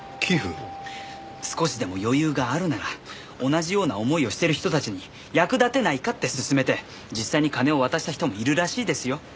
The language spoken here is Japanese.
少しでも余裕があるなら同じような思いをしてる人たちに役立てないかって勧めて実際に金を渡した人もいるらしいですよ。